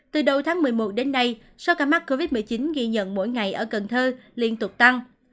từ đầu tháng một mươi một đến nay số ca mắc covid một mươi chín ghi nhận mỗi ngày ở cần thơ liên tục tăng